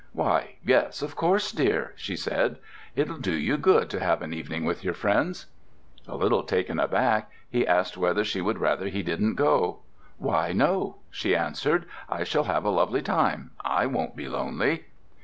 "Why, yes, of course, dear," she said. "It'll do you good to have an evening with your friends." A little taken aback, he asked whether she would rather he didn't go. "Why, no," she answered. "I shall have a lovely time. I won't be lonely."